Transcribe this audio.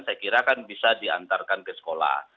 saya kira kan bisa diantarkan ke sekolah